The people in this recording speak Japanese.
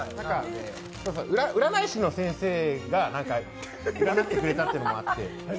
占い師の先生が占ってくれたというのもあって。